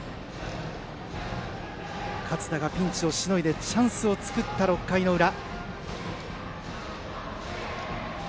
勝田がピンチをしのぎチャンスを作った６回裏。